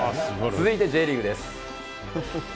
続いてＪリーグです。